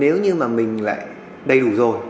nếu như mà mình lại đầy đủ rồi